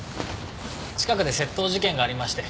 近くで窃盗事件がありまして。